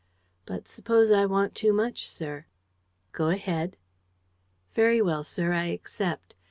"But suppose I want too much, sir?" "Go ahead." "Very well, sir, I accept.